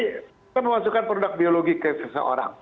kita memasukkan produk biologi ke seseorang